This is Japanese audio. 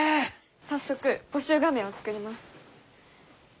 早速募集画面を作ります。